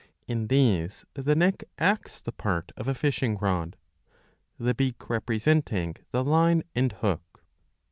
In these the neck acts the part of a fishing rod, the beak representing the line and hook.